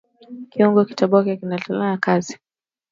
Kyungu kikitoboke kinakatala kazi